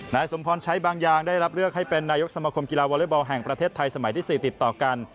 นายสมพรใช้บางอย่างได้รับเลือกให้เป็นนายกสมคมกีฬาวอเล็กบอลแห่งประเทศไทยสมัยที่๔ติดต่อกัน